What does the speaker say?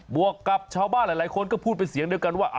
วกกับชาวบ้านหลายคนก็พูดเป็นเสียงเดียวกันว่า